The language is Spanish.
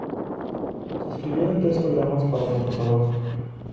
Se escribieron tres programas para el computador.